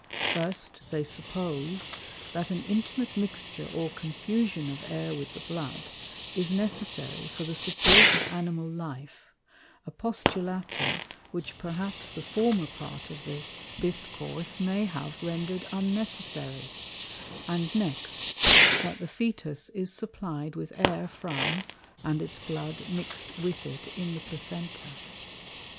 First, they suppose, that an intimate mixture or confusion of Air with the Blood, is necessary for the support of Animal Life, a Postulatum, which perhaps the former part of this Discourse may have render'd unnecessary; and next, that the Fœtus is supply'd with Air from, and its Blood mix'd with it in the Placenta.